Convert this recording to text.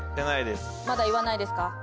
まだ言わないですか？